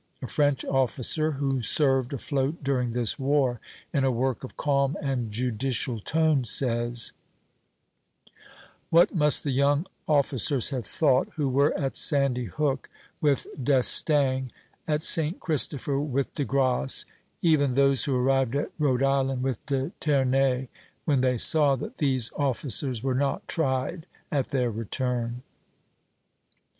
A French officer who served afloat during this war, in a work of calm and judicial tone, says: "What must the young officers have thought who were at Sandy Hook with D'Estaing, at St. Christopher with De Grasse, even those who arrived at Rhode Island with De Ternay, when they saw that these officers were not tried at their return?"